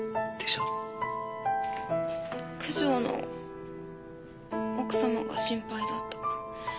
九条の奥様が心配だったから。